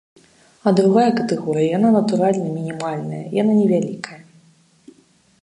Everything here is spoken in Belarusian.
А другая катэгорыя, яна, натуральна, мінімальная, яна невялікая.